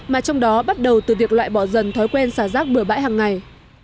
mà trong đó bắt đầu từ việc loại bỏ dần thói quen xả rác bửa bãi hằng ngày